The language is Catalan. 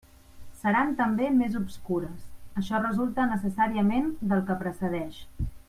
Seran també més obscures; això resulta necessàriament del que precedeix.